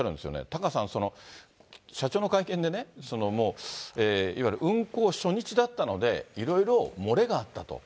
タカさん、社長の会見でね、もういわゆる運航初日だったので、いろいろ漏れがあったと。